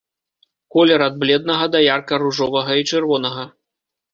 Колер ад бледнага да ярка ружовага і чырвонага.